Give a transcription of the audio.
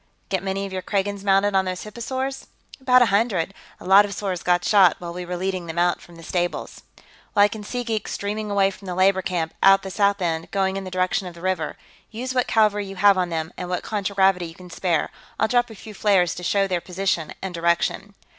Get many of your Kragans mounted on those hipposaurs?" "About a hundred, a lot of 'saurs got shot, while we were leading them out from the stables." "Well, I can see geeks streaming away from the labor camp, out the south end, going in the direction of the river. Use what cavalry you have on them, and what contragravity you can spare. I'll drop a few flares to show their position and direction."